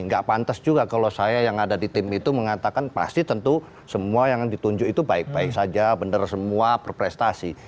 nggak pantas juga kalau saya yang ada di tim itu mengatakan pasti tentu semua yang ditunjuk itu baik baik saja benar semua berprestasi